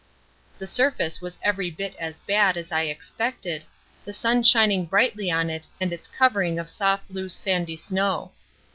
The surface was every bit as bad as I expected, the sun shining brightly on it and its covering of soft loose sandy snow.